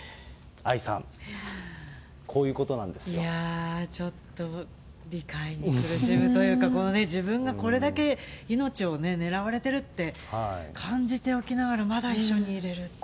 愛さん、いやー、ちょっと、理解に苦しむというか、このね、自分がこれだけ命を狙われてるって感じておきながら、まだ一緒にいれるっていう。